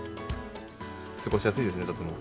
過ごしやすいですね、とても。